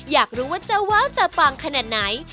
อยากรู้ว่าเจ้าว้าวจะปังขนาดไหน